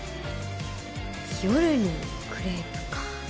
夜にクレープか。